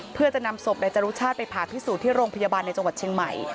เพื่อจะนำศพนายจรุชาติไปผ่าพิสูจน์ที่โรงพยาบาลในจังหวัดเชียงใหม่